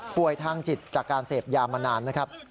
ป่วยทางจิตจากการเสพยามานาน